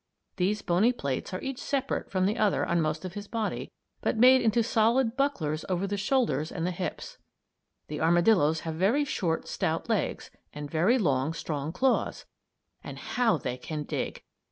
These bony plates are each separate from the other on most of his body but made into solid bucklers over the shoulders and the hips. The armadillos have very short, stout legs and very long, strong claws, and how they can dig!